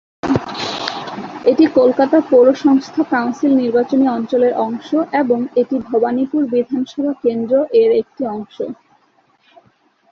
এটি কলকাতা পৌরসংস্থা কাউন্সিল নির্বাচনী অঞ্চলের অংশ এবং এটি ভবানীপুর বিধানসভা কেন্দ্র এর একটি অংশ।